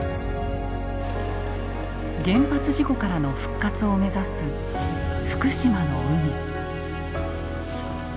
原発事故からの復活を目指す福島の海。